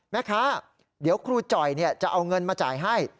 แม่ค้าเดี๋ยวครูจ่อยจะเอาเงินมาจ่ายให้